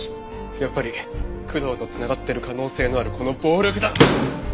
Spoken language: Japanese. やっぱり工藤とつながってる可能性のあるこの暴力団！